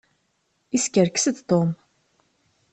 Yeskerkes-d Tom.